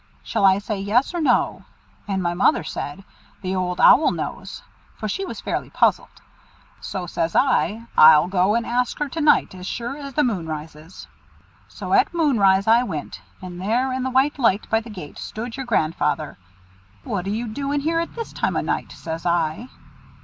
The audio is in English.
Shall I say yes or no?' And my mother said, 'The Old Owl knows;' for she was fairly puzzled. So says I, 'I'll go and ask her to night, as sure as the moon rises.' "So at moon rise I went, and there in the white light by the gate stood your grandfather. 'What are you doing here at this time o' night?' says I.